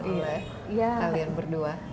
oleh kalian berdua